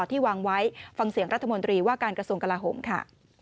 ที่วางไว้ฟังเสียงรัฐมนตรีว่าการกระทรวงกลาโหมค่ะ